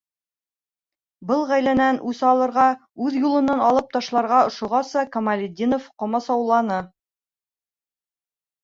Был ғаиләнән үс алырға, үҙ юлынан алып ташларға ошоғаса Камалетдинов ҡамасауланы.